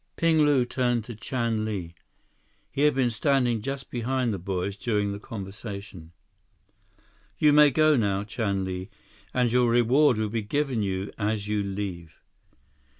Ping Lu turned to Chan Li. He had been standing just behind the boys during the conversation. 151 "You may go now, Chan Li. And your reward will be given you as you leave."